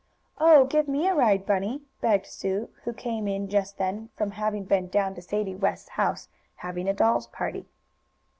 "Oh, give me a ride, Bunny!" begged Sue, who came in just then from having been down to Sadie West's house, having a dolls' party.